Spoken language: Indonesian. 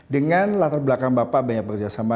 dengan latar belakang bapak banyak bekerjasama